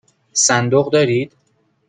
صندوق دارید؟